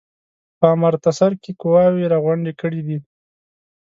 په امرتسر کې قواوي را غونډي کړي دي.